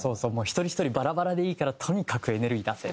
「一人ひとりバラバラでいいからとにかくエネルギー出せ」